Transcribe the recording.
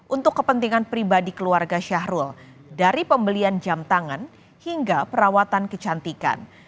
untuk kepentingan pribadi keluarga syahrul dari pembelian jam tangan hingga perawatan kecantikan